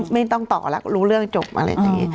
ไม่ต้องต่อแล้วรู้เรื่องจบอะไรอย่างนี้